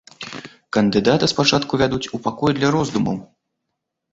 Кандыдата спачатку вядуць у пакой для роздумаў.